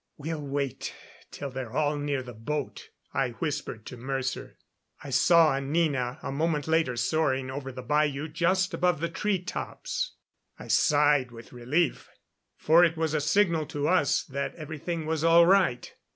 "We'll wait till they're all near the boat," I whispered to Mercer. I saw Anina a moment later soaring over the bayou just above the treetops. I sighed with relief, for it was a signal to us that everything was all right.